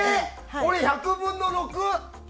俺、１００分の６？